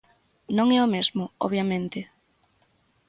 Non é o mesmo, obviamente.